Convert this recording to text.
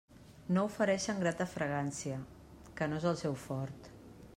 No ofereixen grata fragància, que no és el seu fort.